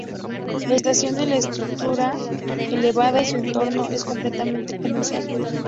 La estación es de estructura elevada y su entorno es completamente comercial.